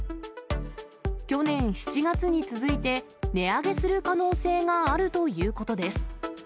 去年７月に続いて、値上げする可能性があるということです。